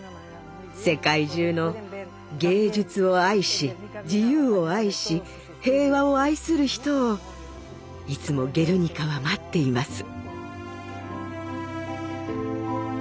世界中の芸術を愛し自由を愛し平和を愛する人をいつも「ゲルニカ」は待っています。